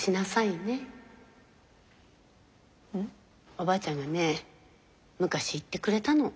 おばあちゃんがね昔言ってくれたの。